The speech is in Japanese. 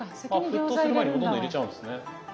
沸騰する前にほとんど入れちゃうんですね。